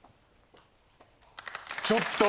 ちょっと！